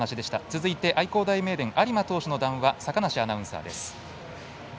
続いて、愛工大名電有馬投手の談話坂梨アナウンサーです。